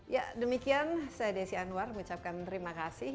ya demikian saya desi anwar mengucapkan terima kasih